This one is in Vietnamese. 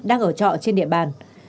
đang ở trọ trên địa bàn